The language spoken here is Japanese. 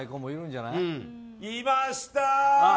いました。